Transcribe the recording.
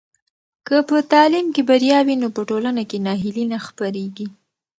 که په تعلیم کې بریا وي نو په ټولنه کې ناهیلي نه خپرېږي.